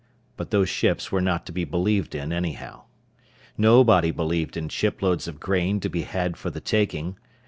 But those ships were not to be believed in, anyhow. Nobody believed in shiploads of grain to be had for the taking.